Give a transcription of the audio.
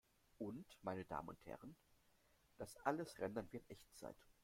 Und, meine Damen und Herren, das alles rendern wir in Echtzeit